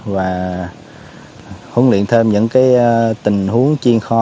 và huấn luyện thêm những tình huống chiên kho